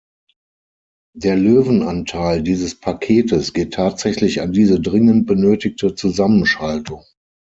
Der Löwenanteil dieses Paketes geht tatsächlich an diese dringend benötigte Zusammenschaltung.